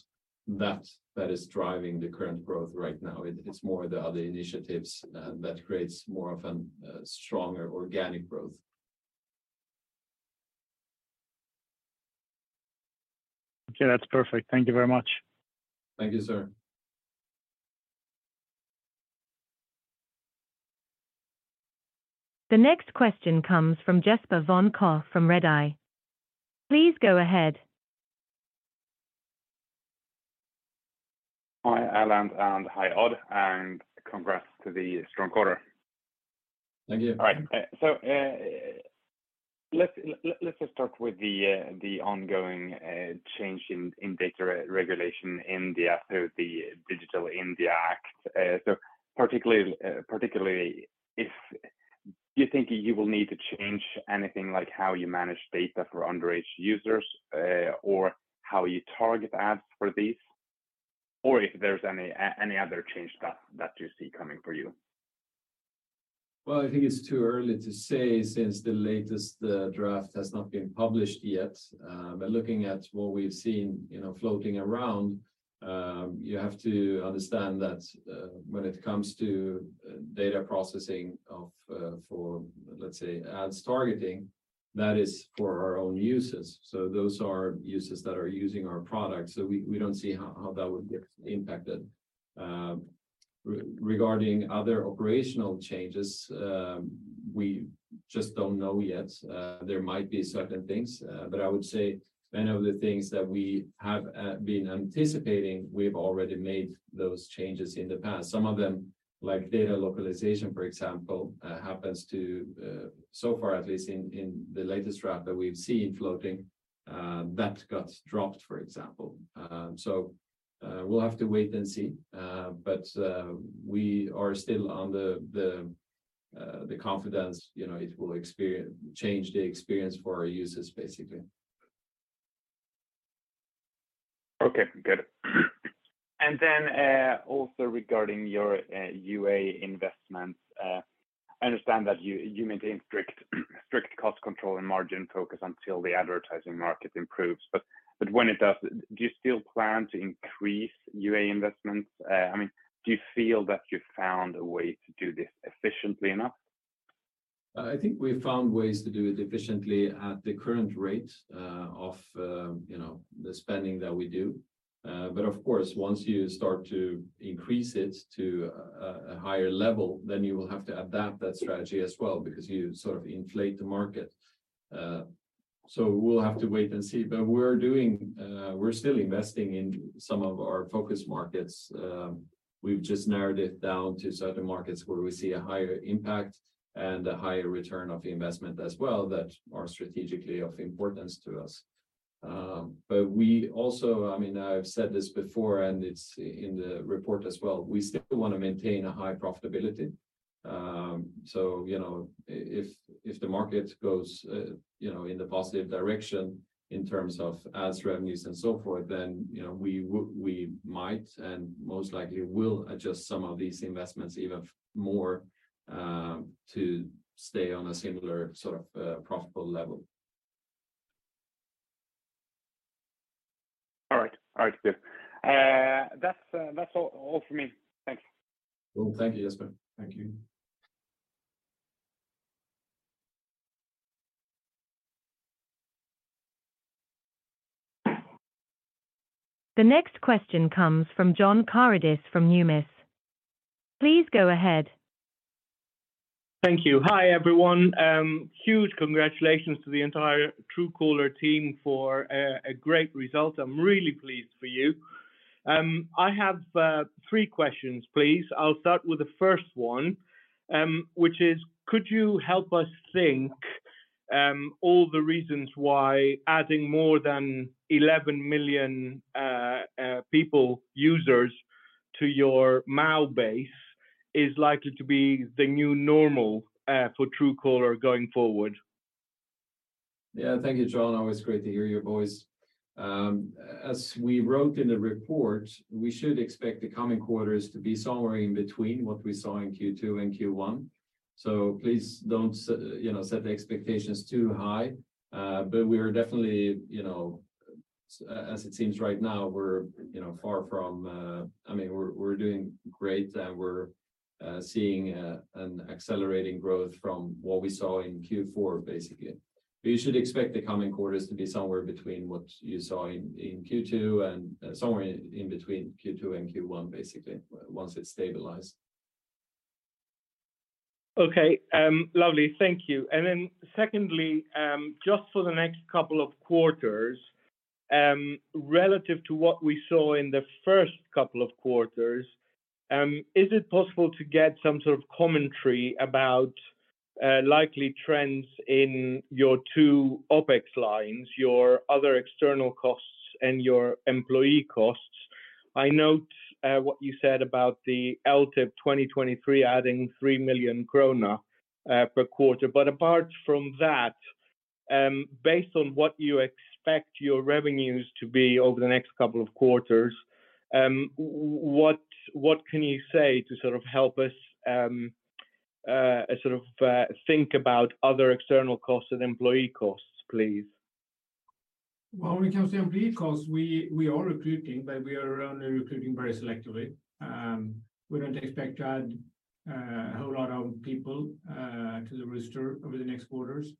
that that is driving the current growth right now. It's more the other initiatives that creates more of a stronger organic growth. Okay, that's perfect. Thank you very much. Thank you, sir. The next question comes from Jesper von Koch from Redeye. Please go ahead. Hi, Alan, and hi, Odd, and congrats to the strong quarter. Thank you. All right. Let's just start with the ongoing change in data regulation in the, after the Digital India Act. Particularly, particularly if you think you will need to change anything, like how you manage data for underage users, or how you target ads for these, or if there's any other change that you see coming for you. Well, I think it's too early to say, since the latest draft has not been published yet. Looking at what we've seen, you know, floating around, you have to understand that when it comes to data processing of for, let's say, ads targeting, that is for our own users. Those are users that are using our product, so we don't see how that would get impacted. Regarding other operational changes, we just don't know yet. There might be certain things, I would say many of the things that we have been anticipating, we've already made those changes in the past. Some of them, like data localization, for example, happens to so far at least in the latest draft that we've seen floating, that got dropped, for example. We'll have to wait and see. We are still on the confidence, you know, it will change the experience for our users, basically. Okay, good. Also regarding your UA investments, I understand that you maintain strict cost control and margin focus until the advertising market improves. When it does, do you still plan to increase UA investments? I mean, do you feel that you've found a way to do this efficiently enough? I think we've found ways to do it efficiently at the current rate, of, you know, the spending that we do. Of course, once you start to increase it to a higher level, then you will have to adapt that strategy as well, because you sort of inflate the market. We'll have to wait and see. We're still investing in some of our focus markets. We've just narrowed it down to certain markets where we see a higher impact and a higher return of investment as well, that are strategically of importance to us. I mean, I've said this before, and it's in the report as well, we still wanna maintain a high profitability. You know, if the market goes, you know, in a positive direction in terms of ads, revenues, and so forth, then, you know, we might, and most likely will, adjust some of these investments even more, to stay on a similar sort of, profitable level. All right. All right, good. That's all from me. Thank you. Well, thank you, Jesper. Thank you. The next question comes from John Karidis from Numis. Please go ahead. Thank you. Hi, everyone. Huge congratulations to the entire Truecaller team for a great result. I'm really pleased for you. I have three questions, please. I'll start with the first one, which is: could you help us think all the reasons why adding more than 11 million people, users to your MAU base is likely to be the new normal for Truecaller going forward? Yeah. Thank you, John. Always great to hear your voice. As we wrote in the report, we should expect the coming quarters to be somewhere in between what we saw in Q2 and Q1. Please don't you know, set the expectations too high. We are definitely, you know, as it seems right now, we're, you know, far from. I mean, we're doing great, and we're seeing an accelerating growth from what we saw in Q4, basically. You should expect the coming quarters to be somewhere between what you saw in Q2, and somewhere in between Q2 and Q1, basically, once it's stabilized. Okay, lovely. Thank you. Secondly, just for the next couple of quarters, relative to what we saw in the first couple of quarters, is it possible to get some sort of commentary about likely trends in your two OpEx lines, your other external costs, and your employee costs? I note what you said about the LTIP 2023 adding 3 million krona per quarter. Apart from that, based on what you expect your revenues to be over the next couple of quarters, what can you say to sort of help us sort of think about other external costs and employee costs, please? When it comes to employee costs, we are recruiting, but we are only recruiting very selectively. We don't expect to add a whole lot of people to the roster over the next quarters.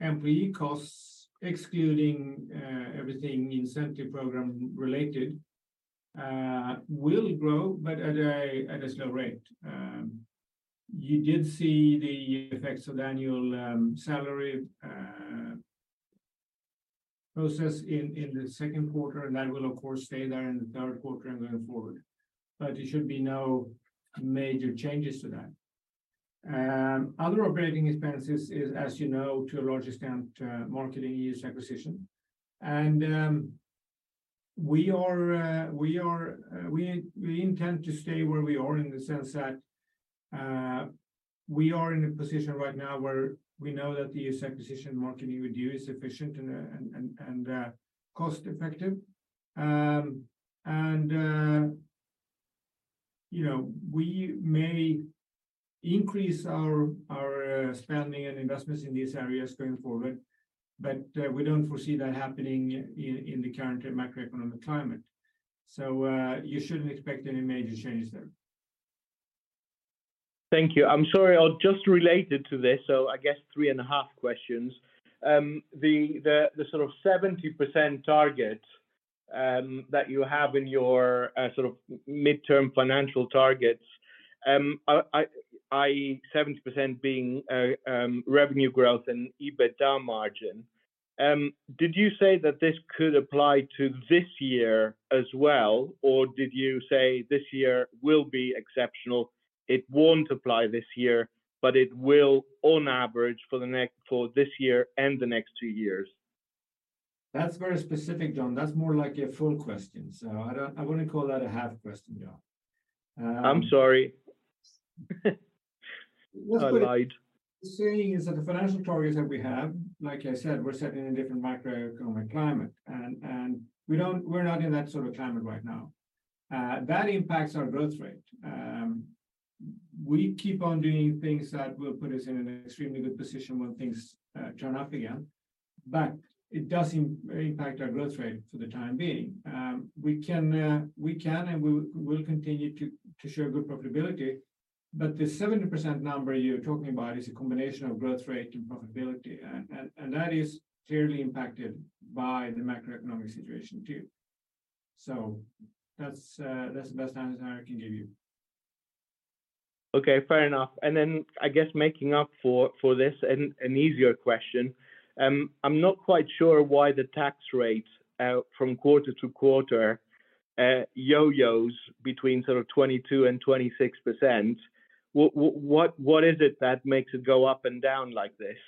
Employee costs, excluding everything incentive program related, will grow, but at a slow rate. You did see the effects of the annual salary process in the second quarter, and that will, of course, stay there in the third quarter and going forward. There should be no major changes to that. Other operating expenses is, as you know, to a large extent, marketing user acquisition. We intend to stay where we are, in the sense that we are in a position right now where we know that the user acquisition marketing we do is efficient and cost-effective. You know, we may increase our spending and investments in these areas going forward, but we don't foresee that happening in the current macroeconomic climate. You shouldn't expect any major changes there. Thank you. I'm sorry, just related to this, I guess three and a half questions. The sort of 70% target that you have in your sort of midterm financial targets, i.e., 70% being revenue growth and EBITDA margin. Did you say that this could apply to this year as well, or did you say this year will be exceptional, it won't apply this year, but it will on average for this year and the next two years? That's very specific, John. That's more like a full question, so I wouldn't call that a half question, John. I'm sorry. What we're saying is that the financial targets that we have, like I said, were set in a different macroeconomic climate, and we're not in that sort of climate right now. That impacts our growth rate. We keep on doing things that will put us in an extremely good position when things turn up again, but it does impact our growth rate for the time being. We can, we can, and we'll continue to show good profitability. But the 70% number you're talking about is a combination of growth rate and profitability, and that is clearly impacted by the macroeconomic situation, too. That's, that's the best answer I can give you. Okay, fair enough. I guess, making up for this, an easier question. I'm not quite sure why the tax rate, from quarter to quarter, yo-yos between sort of 22 and 26%. What is it that makes it go up and down like this?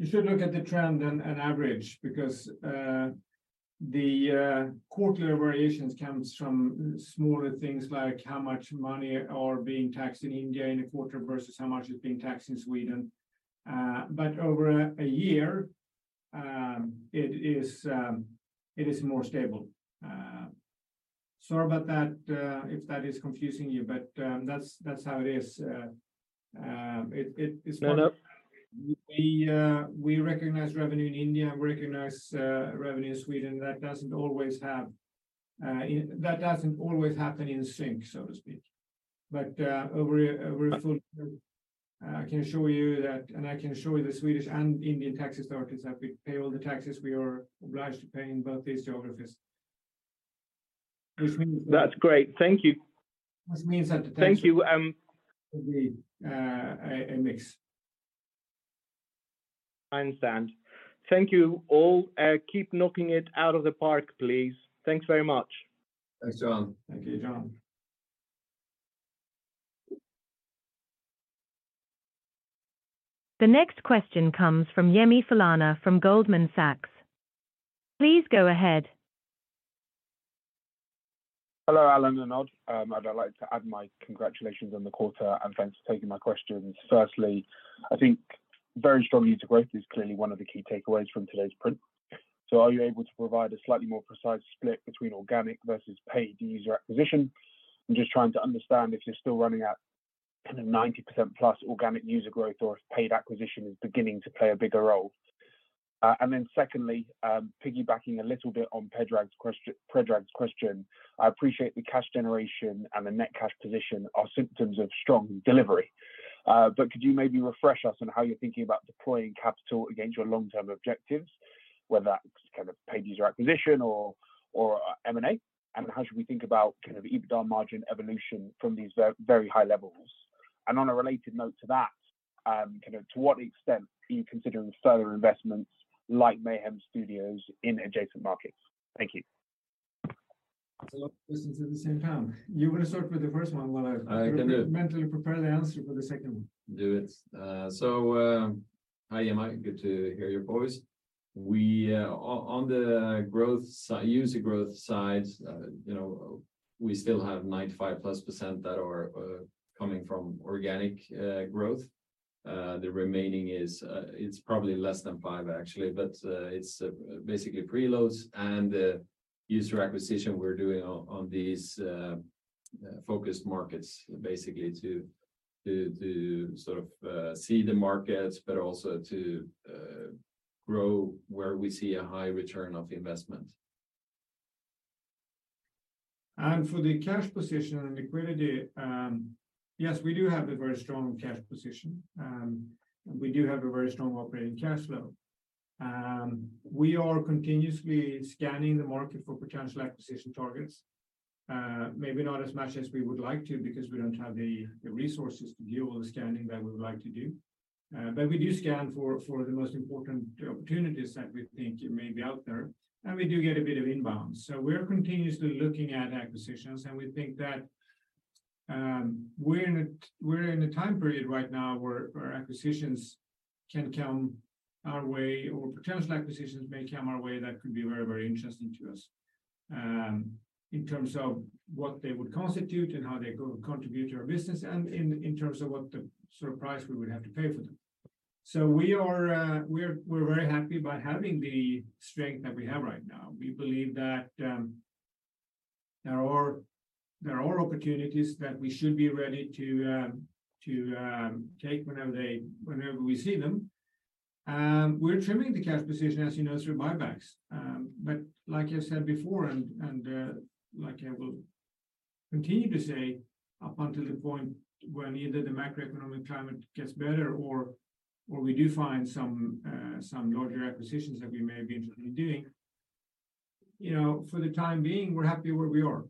You should look at the trend and average because the quarterly variations comes from smaller things, like how much money are being taxed in India in a quarter, versus how much is being taxed in Sweden. Over a year, it is more stable. Sorry about that, if that is confusing you, but that's how it is. Fair enough. We recognize revenue in India, and we recognize revenue in Sweden. That doesn't always happen in sync, so to speak. Over a full, I can assure you that, and I can show you the Swedish and Indian tax authorities, that we pay all the taxes we are obliged to pay in both these geographies. Which means- That's great. Thank you. Which means that the tax. Thank you. It, a mix. I understand. Thank you, all. Keep knocking it out of the park, please. Thanks very much. Thanks, John. Thank you, John. The next question comes from Yemi Falana from Goldman Sachs. Please go ahead. Hello, Alan and Odd. I'd like to add my congratulations on the quarter, thanks for taking my questions. Firstly, I think very strong user growth is clearly one of the key takeaways from today's print. Are you able to provide a slightly more precise split between organic versus paid user acquisition? I'm just trying to understand if you're still running at kind of 90%+ organic user growth, or if paid acquisition is beginning to play a bigger role. Secondly, piggybacking a little bit on Predrag's question, I appreciate the cash generation and the net cash position are symptoms of strong delivery. Could you maybe refresh us on how you're thinking about deploying capital against your long-term objectives, whether that's kind of paid user acquisition or M&A? How should we think about kind of EBITDA margin evolution from these very high levels? On a related note to that, kind of to what extent are you considering further investments, like Mayhem Studios, in adjacent markets? Thank you. That's a lot of questions at the same time. You want to start with the first one while I. I can do. Mentally prepare the answer for the second one. Do it. Hi, Yemi. Good to hear your voice. We on the growth side, user growth side, you know, we still have 95%+ that are coming from organic growth. The remaining is it's probably less than five, actually, but it's basically pre-loads and user acquisition we're doing on these focused markets. Basically, to sort of seed the markets, but also to grow where we see a high ROI. For the cash position and liquidity, yes, we do have a very strong cash position, and we do have a very strong operating cash flow. We are continuously scanning the market for potential acquisition targets. Maybe not as much as we would like to, because we don't have the resources to do all the scanning that we would like to do. But we do scan for the most important opportunities that we think may be out there, and we do get a bit of inbound. We're continuously looking at acquisitions, and we think that we're in a time period right now, where acquisitions can come our way, or potential acquisitions may come our way that could be very interesting to us. In terms of what they would constitute and how they contribute to our business, and in terms of what the sort of price we would have to pay for them. We're very happy about having the strength that we have right now. We believe that there are opportunities that we should be ready to take whenever we see them. We're trimming the cash position, as you know, through buybacks. Like I said before, and like I will continue to say, up until the point where either the macroeconomic climate gets better or we do find some larger acquisitions that we may be interested in doing. You know, for the time being, we're happy where we are.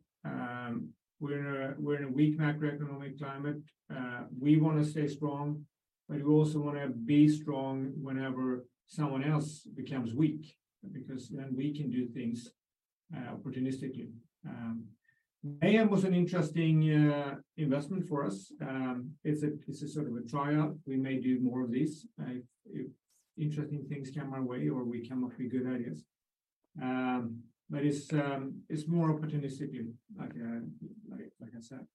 We're in a weak macroeconomic climate. We want to stay strong, but we also want to be strong whenever someone else becomes weak, because then we can do things opportunistically. Mayhem was an interesting investment for us. This is sort of a trial. We may do more of this if interesting things come our way or we come up with good ideas. It's more opportunistic, like I said.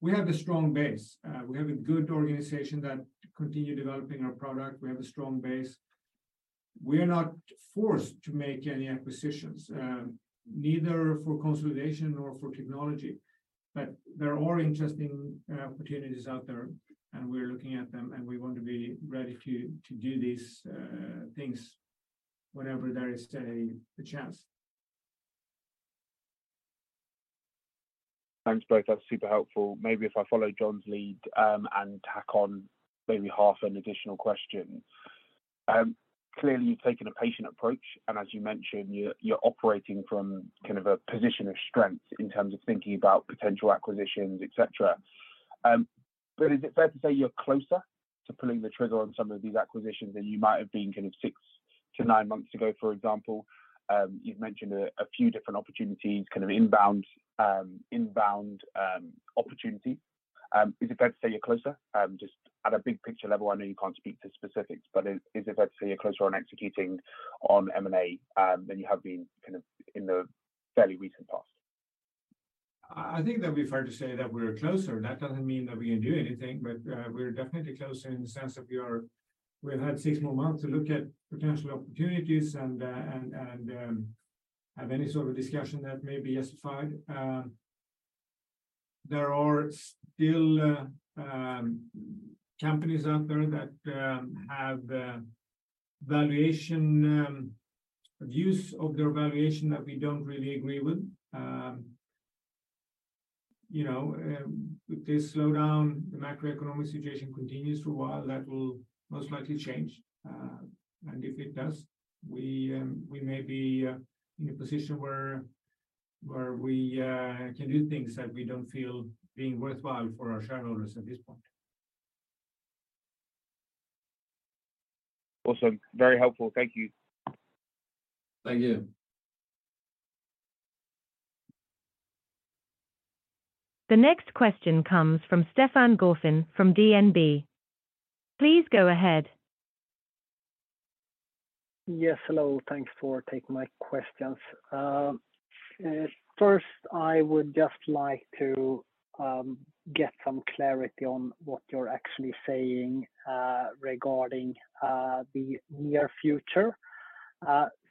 We have a strong base. We have a good organization that continue developing our product. We have a strong base. We are not forced to make any acquisitions, neither for consolidation or for technology. There are interesting opportunities out there, and we're looking at them, and we want to be ready to do these things whenever there is a chance. Thanks, both. That's super helpful. Maybe if I follow John's lead and tack on maybe half an additional question. Clearly, you've taken a patient approach, and as you mentioned, you're operating from kind of a position of strength in terms of thinking about potential acquisitions, et cetera. Is it fair to say you're closer to pulling the trigger on some of these acquisitions than you might have been kind of 6-9 months ago, for example? You've mentioned a few different opportunities, kind of inbound opportunities. Is it fair to say you're closer? Just at a big picture level, I know you can't speak to specifics, but is it fair to say you're closer on executing on M&A than you have been kind of in the fairly recent past? I think that'd be fair to say that we are closer. That doesn't mean that we're gonna do anything, we're definitely closer in the sense of we've had six more months to look at potential opportunities and have any sort of discussion that may be justified. There are still companies out there that have valuation views of their valuation that we don't really agree with. You know, with this slowdown, the macroeconomic situation continues for a while, that will most likely change. If it does, we may be in a position where we can do things that we don't feel being worthwhile for our shareholders at this point. Awesome. Very helpful. Thank you. Thank you. The next question comes from Stefan Gauffin from DNB. Please go ahead. Yes, hello. Thanks for taking my questions. First, I would just like to get some clarity on what you're actually saying regarding the near future.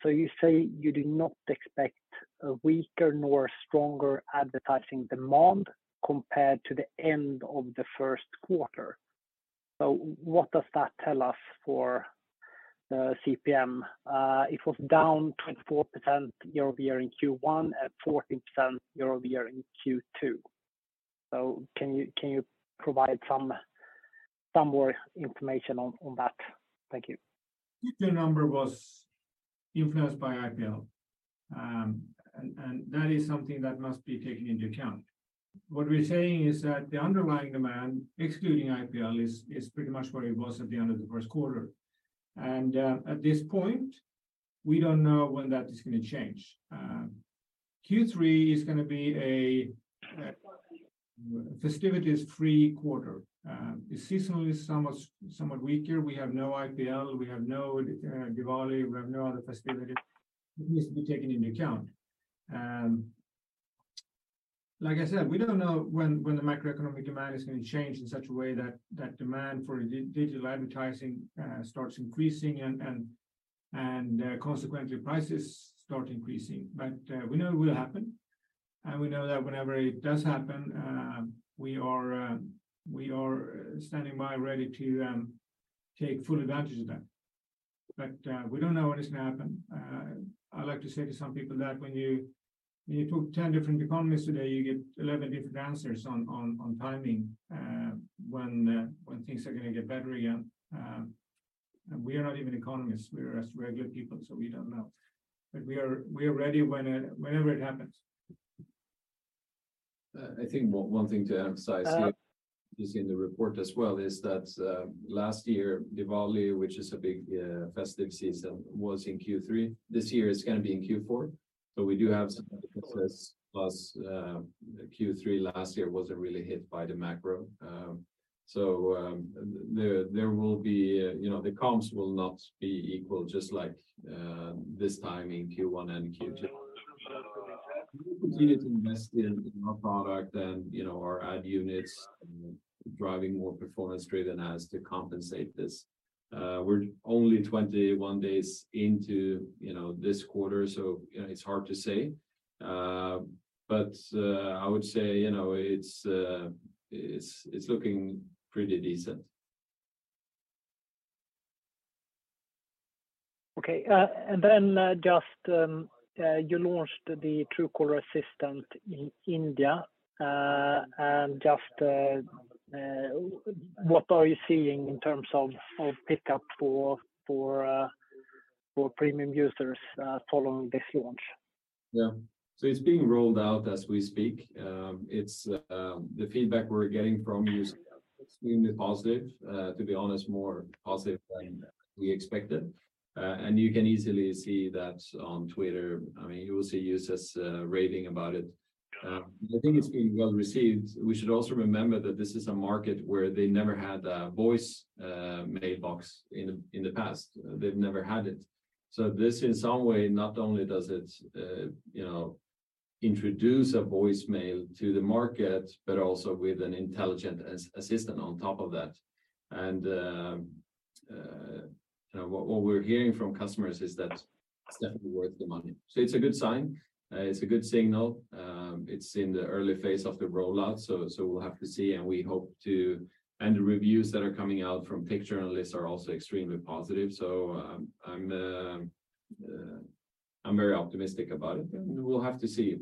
You say you do not expect a weaker nor stronger advertising demand compared to the end of the first quarter. What does that tell us for CPM? It was down 24% year-over-year in Q1 and 14% year-over-year in Q2. Can you provide some more information on that? Thank you. Q2 number was influenced by IPL, and that is something that must be taken into account. What we're saying is that the underlying demand, excluding IPL, is pretty much where it was at the end of the first quarter. At this point, we don't know when that is gonna change. Q3 is gonna be a festivities-free quarter. It's seasonally somewhat weaker. We have no IPL, we have no Diwali, we have no other festivities. It needs to be taken into account. Like I said, we don't know when the macroeconomic demand is gonna change in such a way that demand for digital advertising starts increasing and consequently, prices start increasing. We know it will happen, and we know that whenever it does happen, we are standing by, ready to take full advantage of that. We don't know when it's gonna happen. I like to say to some people that when you talk 10 different economists today, you get 11 different answers on timing when things are gonna get better again. We are not even economists, we are just regular people, so we don't know. We are ready whenever it happens. I think one thing to emphasize here, you see in the report as well, is that last year, Diwali, which is a big festive season, was in Q3. This year, it's gonna be in Q4, so we do have some success plus Q3 last year wasn't really hit by the macro. There will be, you know, the comps will not be equal, just like this time in Q1 and Q2. We continue to invest in our product and, you know, our ad units, and driving more performance trade than as to compensate this. We're only 21 days into, you know, this quarter, so, you know, it's hard to say. I would say, you know, it's looking pretty decent. Then, just, you launched the Truecaller Assistant in India, just, what are you seeing in terms of pickup for premium users following this launch? Yeah. It's being rolled out as we speak. It's the feedback we're getting from users extremely positive, to be honest, more positive than we expected. You can easily see that on Twitter. I mean, you will see users raving about it. I think it's been well received. We should also remember that this is a market where they never had a voice mailbox in the past. They've never had it. This, in some way, not only does it, you know, introduce a voicemail to the market, but also with an intelligent Truecaller Assistant on top of that. What we're hearing from customers is that it's definitely worth the money. It's a good sign. It's a good signal. It's in the early phase of the rollout, so we'll have to see. The reviews that are coming out from equity analysts are also extremely positive. I'm very optimistic about it, and we'll have to see.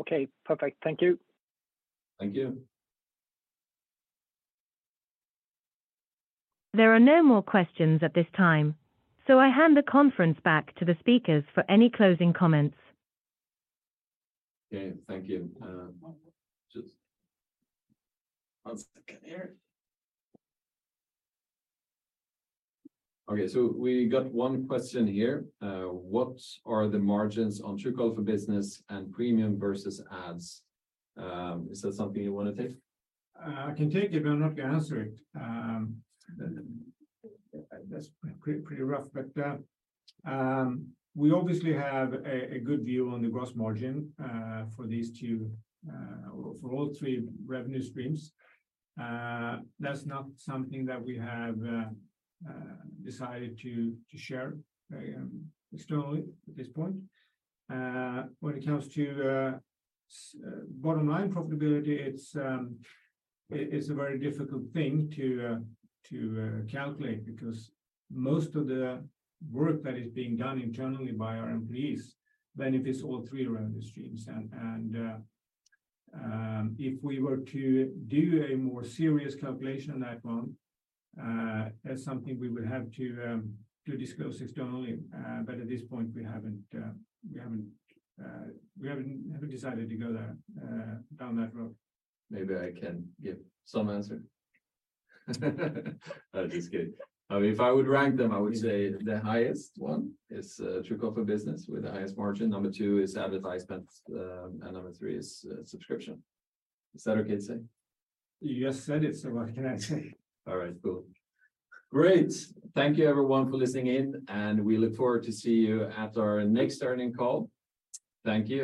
Okay, perfect. Thank you. Thank you. There are no more questions at this time, so I hand the conference back to the speakers for any closing comments. Thank you. Just one second here. We got one question here. What are the margins on Truecaller for Business and premium versus ads? Is that something you want to take? I can take it, but I'm not going to answer it. That's pretty rough, but we obviously have a good view on the gross margin for these two or for all three revenue streams. That's not something that we have decided to share externally at this point. When it comes to bottom line profitability, it's a very difficult thing to calculate, because most of the work that is being done internally by our employees benefits all three revenue streams. If we were to do a more serious calculation on that one, that's something we would have to disclose externally. At this point, we haven't decided to go there down that road. Maybe I can give some answer. I'm just kidding. I mean, if I would rank them, I would say the highest one is Truecaller for Business, with the highest margin. Number two is advertisements, and number three is subscription. Is that okay to say? You just said it, so what can I say? All right, cool. Great! Thank you, everyone, for listening in, and we look forward to see you at our next earnings call. Thank you.